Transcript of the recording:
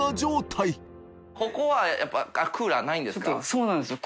そうなんですよ